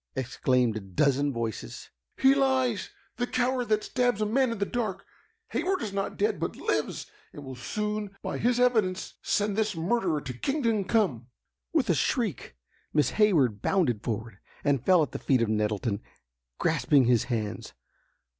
exclaimed a dozen voices. "He lies! the coward that stabs a man in the dark! Hayward is not dead, but lives, and will soon by his evidence send this murderer to kingdom come!" With a shriek Miss Hayward bounded forward, and fell at the feet of Nettleton, grasping his hands.